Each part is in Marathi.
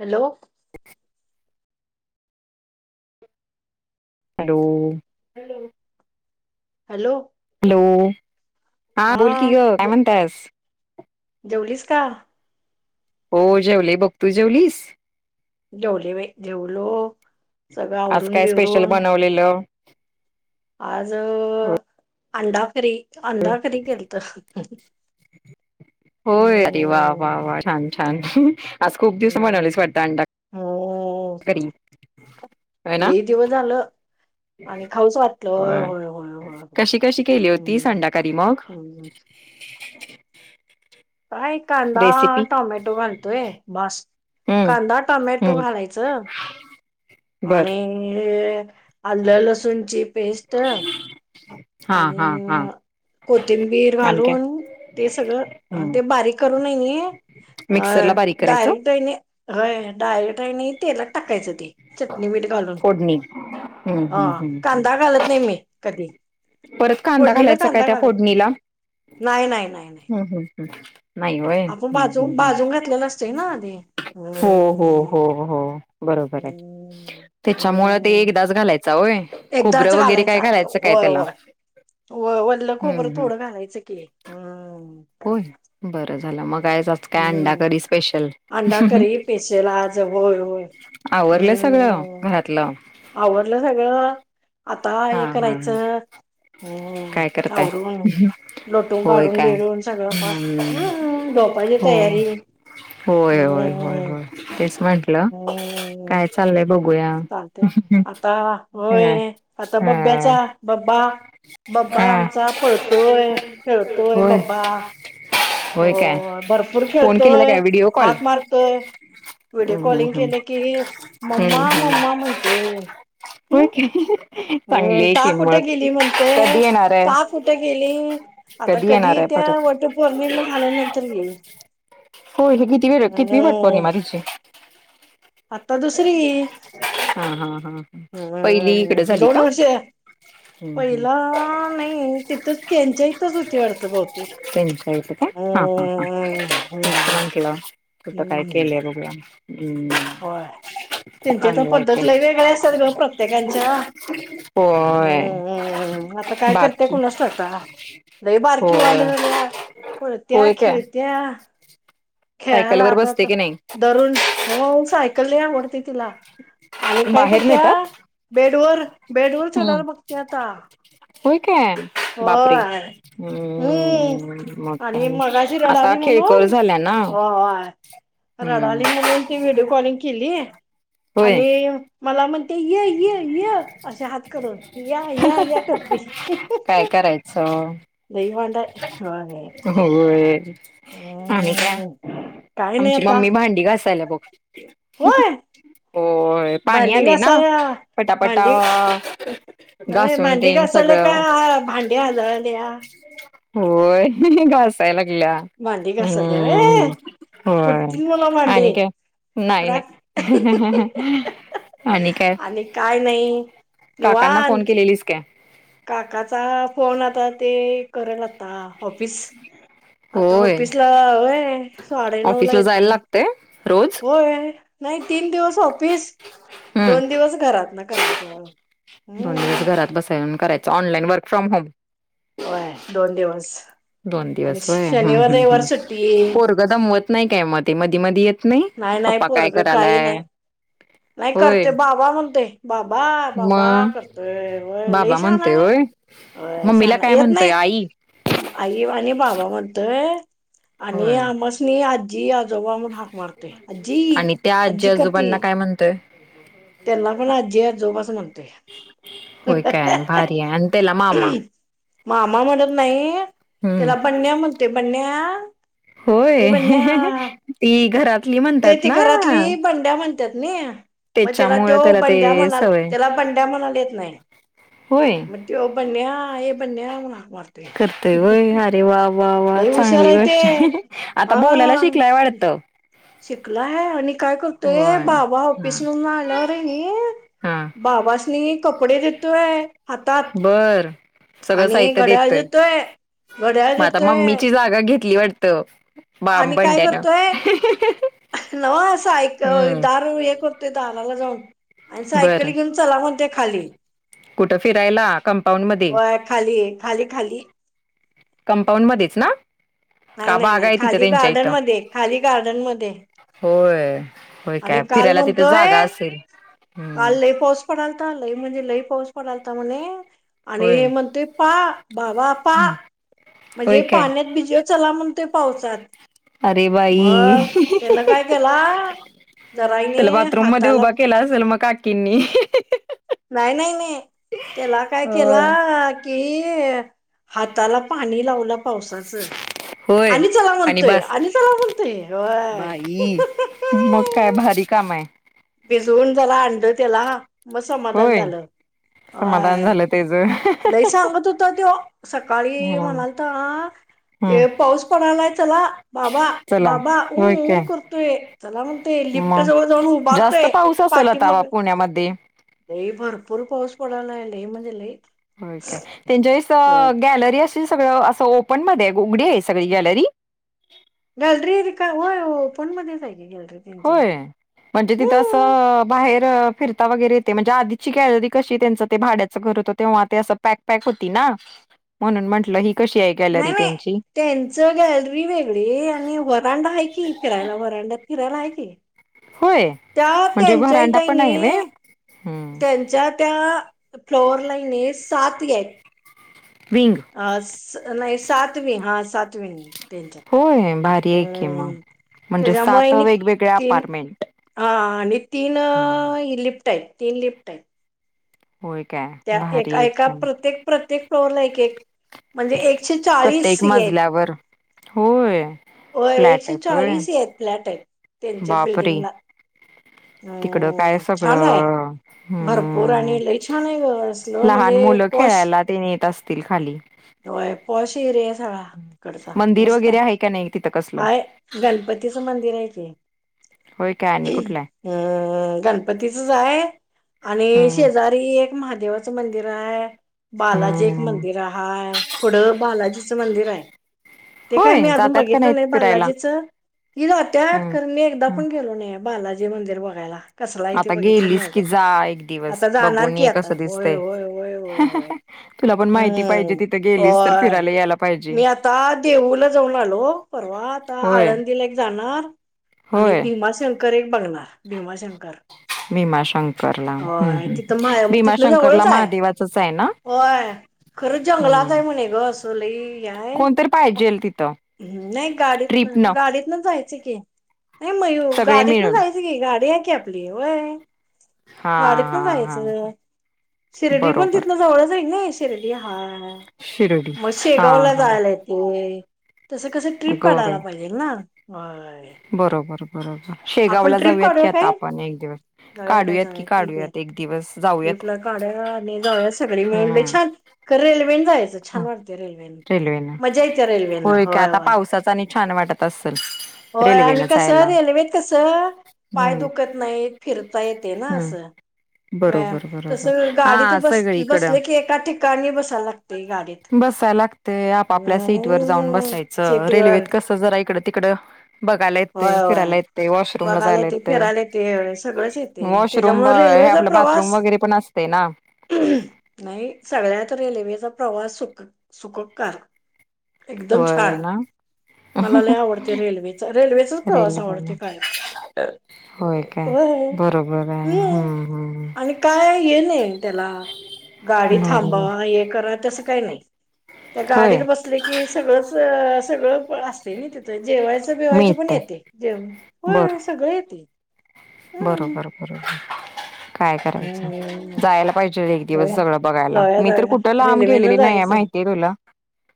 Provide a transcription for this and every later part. Hello. [inaudible] Hello, hello. [inaudible] Hello. Hello, हा, बोल की गं काय जे- म्हणत्यास? जेवलीस का? हो, जेवले बघ. तू जेवलीस? जेवले बाई जेवलो सगळं आज आवरून काय स्पेशल बिवरून बनवलेलं? आज अंडाकरी, अंडाकरी केलतं. ह. होय. अरे वा! वा! वा! छान-छान. आज खूप दिवसांनी हम्म बनवलेस वाटतं अंडा हो. करी होय ना लई दिवस झालं. आणि खाऊच वाटलं, होय होय होय होय. कशी कशी केली होती हम्म् अंडा करी मग हम्. काय कांदा, रेसिपी टोमॅटो घालतोय. बास, हम्म कांदा, टोमॅटो हम्म घालायचं. बर आणि आलं, लसूणची पेस्ट हा आणि हा हा कोथिंबीर आणि काय घालून, ते सगळं हम्म ते बारीक करून आहे. कणी मिक्सरला अं.. बारीक करायचं डायरेक्ट हाय नी होय. डायरेक्ट आहे कनी तेलात टाकायचं ते, चटणी मीठ घालून. फोडणी हम्म हम्म हं, हम्म कांदा घालत नाही मी, कधी. परत कांदा फोडणीला घालायचा काय कांदा त्या घालत फोडणीला? नाही नाही नाही नाही नाही व्हय आपण भाजून भाजून घातलेलं असतंय ना आधी हो हो हो हो बरोबर आहे. त्याच्यामुळे ते एकदाच घालायच होय खोबरं एकदाच वगैरे काय घालायचं. काय तेला व वल्ल खोबरं थोडं घालायचं की, हम.. होय, बरं झालं मग आहे जा. काय हम्म अंडाकरी करी स्पेशल, अंडा करी पेशल आज होय होय आवरलं.. सगळं हम्म. घरातलं? आवरलं सगळं आता हा हे हा करायचं. हम्म, काय करताय आवरुन लोटून होय काढून काय बेडून सगळं फार हम्म झोपायची हो तयारी होय होय होय हम्म होय तेच म्हंटलं काय चाललंय, बघूया चालते. आता होय हा आता बब्ब्याचा हा बब्बा बब्बा हा आमचा पळतोय खेळतोय होय बब्बा होय काय हो. भरपूर फोन केलेला खेळतोय, काय व्हिडिओ कॉल हात मारतोय. व्हिडिओ हम्म कॉलिंग हम्म केलं की, हम्म मम्मा हम्म मम्मा म्हणते. होय हम. काय चांगली हम्म, आहे ता की कुठे मग गेली कधी म्हणतंय? येणार आहे ता कुठे गेली? आता कधी येणार येते. आहे परत त्या वटपौर्णिमा झाल्यानंतर गेली. होय, ही कितवी किती वटपौर्णिमा हम्म तूझी? आता दुसरी गेली. हा हा हा हा पहिली इकडं हम्म झाली दोन का? वर्ष हम्म हम्म.. पहिला नाही. तिथच त्यांच्या इथच होती वाटत बहुतेक, त्यांच्या इथ काय हा ह ह हम्म हम्म म्हटलं कुठ काय केल्या बघूया. हम्म.. हो त्यांच्या तर चांगलाय की पद्धत ल वेगळे्या असतात ग प्रत्येकांच्या होय हम्म्मम आता काय करतेय बाकी कुण असत आता दई बारकी वांड होय झाल्या पळत्या होय काय खेळत्या खेळायला सायकलवर आता बसते की नाही दरुण हो सायकल नाही आवडते तिला आणि काय बाहेर करत्या नेतात बेडवर बेडवरर चढायला बघते आता होईक बापरीे होय हम्म हम् म आणि आता खेळकर झाल्या ना हय हम्म रडली म्हणून ती व्हिडिओ कॉलिंग केली होय आणि मला म्हणते ये ये ये असे हात करून या या या करते काय करायचं दवाड हो हो आम काय काय नाही आमची मम्मी भांडी घासायला बघ हय हो पाणी आले ना पटापटा न घासून मांडी घा तेन झाला सगळं का भांड्या हलल्या या होय घसायलागल्या बांध क असल रे हो आणि का नाही राख नाही आणि काय आणि काय नाही काकांना निवांत फोन केलेलीस काय काकाचा फोन आता ते करायला आता ऑफिस आता होय ऑफिस ला आहे साडे नऊ ला ऑफिसला जायला येते लागतय रोज होय नाही तीन दिवस ऑफिस हम्म दोन दिवस घरात ना करायच दोन दिवस घरात बसाय करायच ऑनलाईन वर्क फ्रॉम होम होय दोन दिवस दोन आणि दिवस वय हा शनिवार हा रविवार हा सुट्टी दमवत नाही काय मते मधी मध येत नाही पप्पा काय करायलाय ह नाही होय करते बाबा म्हणते बाबा बाबा मग करतोय व बाबा लई ान म्हणतोय आहे होय होय मम्मीला छान काय येत म्हणतोय नाही आई आई आणि बाबा म होय आजोबा म्हणून हाक मारतोय आजी आणि त्या आजी करते आजोबांना काय म्हणत ते त्यांना पण आजी आजोबास म्हणतोय होय काय भारी अंतला मा आमा मामा म्हणत नाही त्याला हम्म पनण्या्या म्हणते पनण्या ए होय बंड्या ती घरातली ते म्हणतात ती ना घरातली भंड्या म्हणतात ना मग त्याला त्याच्यामुळे तो बंड्या ते म्हणाल सवय त्याला बंड्या म्हणाले येत नाही होय मतेव बन्या ए बन्या मारत करतय वय अरे वा वा वा लई हुशार चांगली आहे ते गष्ट आता बोलायला शिकलाय वाटतं शिकला आहे आणि काय करतोय होय बाबा हा ऑफिसमधून आल्यावर आहे न हा बाबासनी कपडे देतोय हातात बर सगळं आणि साहित्य घड्याळ देतोय जेतोय घड्याळ मग आता जेतोय मम्मीची जागा घेतली वाटत बाम बंड्यान नव असं ऐक दार हे करतोय दाराला जाऊन आणि सायकल घेऊन बरं चला म्हणते्या खाली कुठं फिरायला कंपाऊंड मध्ये खाली खाली खाली कंपाऊंड मध्ये ना नाही का नाही बागा नाही आहे तिथं खाली त्यांच्या गार्डन इथं मध्ये खाली गार्डन मध्ये होय होय आणि काय फिरायला तिथे जागा असेल का हम्म लई पाऊस पडाल तर लई म्हणजे लई पाऊस पडाल तर म्हणे आणि हे होय म्हणतेोय पा बाबापा म्हणजे होय काय पाण्यात बिजव चला म्हण तेो पावसात अरे बाई मग त्यांन काय केला जराईने हाताला के असेल मग का किननी नाही नाही नाही त्याला काय केला होय कि हाताला पाणी लावलं पावसाचं होय आणि चला म्हणतोय बस आणि चला म्हणतो ते होय बाई मग काय भारी काम आहे भिजवून झाला अंड त्याला मग समाधान होय झालं समाधान होय झालं तेच लई सांगत होत त सकाळी हम्म म्हणाल तर ते हम्म पाऊस पडालाय चला बाबा चला बाबा उ होय उ काय करतोय चला म्हणतेय लिफ्ट जवळ जाऊन उभारतोय पाठी मग मध्ये लई भरपूर पाऊस पडायला आहे लई म्हणजे लईट होय काय त्यांच्या वेळेस गॅलरी असशी सगळं असं ओपन मध्ये उघडी आहे सगळी गॅलरी गॅलरी काय होय पोनमध्येध्येच आहेय गॅलरी त्यांची होय. म्हणजे तिथं हम्म असं बाहेर फिरत वर आची कॅलरी कशी त्यां भाड्याच घर होत तेव्हा अस पॅक पॅक होती ना म्हणून म्हटलं ही कशी आहेऐ नाही नाही त्यांचं गॅलरी वेगळी आणि वरांडा आहे की फिरायला वरांडा हिरायला आहे क होय. त्या म्हणजे त्यांच्या घरांडा पण इथहीने आहे व्हय हम्म त्यांच्या त्या फ्लोअरलाईने साथ आहेत विंग अ नाही सातवी हा सातवी त्यांच्यात होय भारी आहे की मग. हम्म म्हणजे त्याच्यामुळे सात नि वेगवेगळ्या तीन अपार्टमेंट हा आणि तीन लिप्ट आहेत तीन लिप्ट आहेत हो एक काय त्या भारी एका आहे एका की मग. प्रत्येक प्रत्येक टोअरला एक एक म्हणजे एक एकशे चाळीस प्रत्येक आहेत मजल्यावर होय. हो फ्लॅट एकशे आहेत होय चाळीस आहेत फ्लॅट आहेत त्यांच्या बापरे बिल्डिंगला तिकडं काय हम्म छान आहे सगळं भरपूर हम्म आणि लय छान आहे असल लहान म्हणजे मुलं पॉश खेळायला ते न येत असतील खाली होय पॉश येरे सगळा करता मंदिर मस्त वगैरे आहे का नाही तिथं कसलं? हाय गणपतीचं मंदिर आहे ते होय काय आणि कुठलं आहे? हम् गणपतीचच आहे आणि हम्म. शेजारी अरी एक महादेवाचं मंदिर आहे बालाजी एक हम्म. मंदिर आहेाय पुढं बालाजीचं मंदिर आहे ते काय होय मी अजून जातात का बघित नाहीत नाही फिरायला? बालाजीच ति जत्या हम्म. कर मी एकदा हम्म. पण गेलो नाही बालाजी मंदिर बघायला कसला आहे ते आता बघितलं गेलीस नाही की जा एक दिवस आता जाणार बघून की ये आता कसं होय दिसतंय. होय होय होय होय तुला पण माहिती पाहिजे हम्म तिथं गेलीस तर अ फिरायला यायला पाहिजे. मी आता देऊूला जाऊन आलो परवा आता होय. आळंदीला एक जाणार आणि होय भीमाशंकर एक बघणार भीमाशंकर भीमाशंकरला हम्म होय तिथं हम् माय तिथलं भीमाशंकरला जवळच आहे महादेवाचच आहे ना होय खरं जंगलात आहे म्हणे ग असोली याय कोणीतरी पाहिजेल तिथं. नाही, गाडीत ना ट्रिप न गाडीत जायच की, नाही मयू सगळे गाडीत न मिळून. जायच की, गाडी आहे की आपली होय. हा गडीतन हा हा जायचं. शिर्डी पण बरोबर तिथन जवळंचे नाई, शिर्डी हाय, शिर्डी मग हा शेगावला हा जायलायेते. तसं कस ट्रिप काढायला गौराई पाहिजेल ना. व्हय. बरोबर, बरोबर, शेगावला जाऊयात की काढूया आता काय आपण, एक दिवस काढूयात की काढूयात. एक दिवस जाऊ. ट्रीपला काढायला आणि जाऊया सगळी मिळून लई छान, हम्म क रेल्वेने जायचं, छान वाट रेल्वेन रेल्वेन मजा येते रेल्वेन. होय आता पावसाचा आणि छान वाटत असेल. होय आणि रेल्वेनं कसं, जायला रेल्वेेत कस, पाय हम्म दुखत नाही, फिरता येते ना हम्म असं. वम, बरोबर बरोबर तसं गाडी तर हा बस सगळीकडं बसले की, एका ठिकाणी बसायला लाग ते गाडीत, बसायला लागतंय आपापल्या सीटवर जाऊन बसायचं सीट वर. रेल्वेत कसं जरा इकडं तिकडं. बघायला येते, होय फिरायला येते, वॉशरूम ला बघायला जायला येते. फिरायला येते सगळंच येते वॉशरूम, त्याच्यामुळे हे रेल्वेचा आपलं बाथरूम प्रवास वगैरे पण असते ना. नाही सगळ्यात रेल्वेचा प्रवास सुख सुखकारक. एकदम होय छान, ना मला लई आवडते रेल्वे. रेल्वेचाच प्रवास रेल्वे पण आवडते, काय तर. होय होय काय बरोबर आहे हम्म, हम्म आणि काय हे नये त्याला. गाडी थांब, बरोबर हे करा तस काही नाही, त्या होय गाडीत बसले की, स [unintelligible] जेवायच पण येते, जे बर होय सगळ येते, हम्म. बरोबर काय करायचं. हम्म जायला पाहिजे, एक दिवस जाऊया सगळं बघायला, जाऊया मी तर जाऊया कुठं लांब रेल्वेनं गेलेली नाहीये जायचं. माहितीये तुला.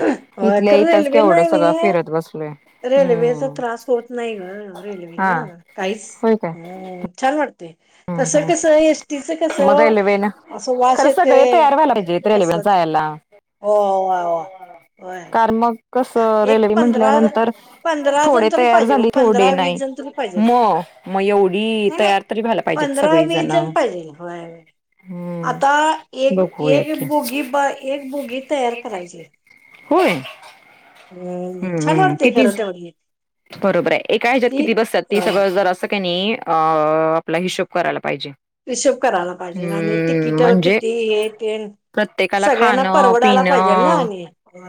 होय क इथल्या इथंच रेल्वे केवढं नाय णी. सगळं फिरत बसलोय रेल्वेचा हम्म त्रास होत नाही ग, रेल्वेन हा काहीच, होय काय हम्म छान वाटते. तसं हम्म कसं यश टीच कस, मग रेल्वेन अस वाश खरं सगळे येतेय, तयार व्हायला पाहिजेत रेल्वेन कसलत जायला हो, वा, वा. कारण मग कस, एक रेल्वे पंधरा म्हंटल्यानंतर पंधरा जण थोडे तरी तयार पाहिजे बघ झाली, थोडे पंधरा नाही, वीस जण तरी पाहिजे म म एवढी नाही नाही तयार तरी व्हाला पाहिे पंधरा वीस जण पाहिजे, व्हय व्हय. हम्म आता एक बघूया एक की. बुगी, ब एक बुगी तयार करायचीये. होय. हम्म छान हम्म वाटते किती खर तेवढीे. बरोबर आहे एका ह्याच्यात किती बसतात, ते अ सगळं जरासं कनी, अ आपला हिशोब करायला पाहिजे. हिशोब करायला पाहिजे आणि हम्म तिकीट म्हणजे, किती हे तेन प्रत्येकाला सगळ्यांना खाणं, परवडायला पाहिजे ना पिणं आणि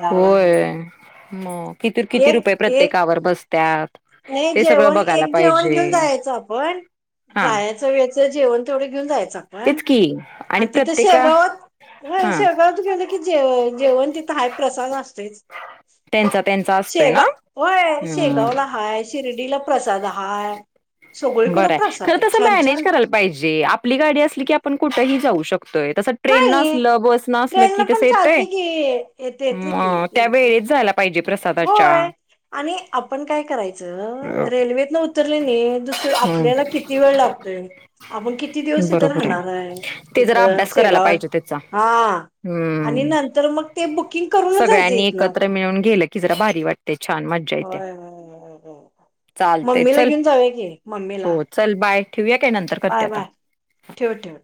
होय. मग किती, किती एक रुपये, एक प्रत्येकावर बसत्यात. नाही ते सगळं जेवण, बघायला एक जेवण पाहिजे घेऊन जायचं आपण, हा. जायचं वेळचं जेवण तेवढं घेऊन जायचं, आपण तेच की आणि तिथं शेगावात होय हा शेगावात गेलं की जे जेवण तिथं हाय, प्रसाद असतेच. त्यांचा त्यांचा असतोय ना शेगाव होय, शेगाव ला. हम्म हाय, शिर्डीला प्रसाद हाय, सगळीकड प्रसाद खर आहे तस छान मॅनेज छान करायला पाहिजे, आपली गाडी असली की, आपण कुठेही जाऊ शकतोय, तस ट्रेन न नाही असलं बस न असल ट्रेन की पण तसं येतय चालते की येते येते की येते त्या येते वळीच झाला पाहिजे प्रसादाच्या होय आणि आपण काय करायचं रेल्वेत न उतरले नाही दुसरं आपल्याला हम्म किती वेळ लागतोय आपण किती दिवस तिथं बरोबर आहे राहणार ते जरा तिथं अभ्यास करायला शेगावात पाहिजे त्याचा हा आणि हम्म नंतर मग ते बुकिंग करूनच जायचं सगळ्यांनी इथनं एकत्र मिळून गेले ि जरा भारी वाटते छान मजा होय होय होय होय. चालतल मम्मीला घेऊन जाऊया की मम्मीला चल बाय ठेवया काय नंतर करते बाय आता बाय ठेव ठेव